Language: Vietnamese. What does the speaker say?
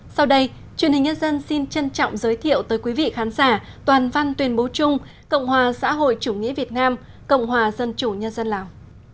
sau đây truyền hình nhân dân xin trân trọng giới thiệu tới quý vị khán giả toàn văn tuyên bố chung cộng hòa xã hội chủ nghĩa việt nam cộng hòa dân chủ nhân dân lào